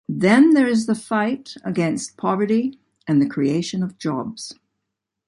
Then there is the fight against poverty and the creation of jobs.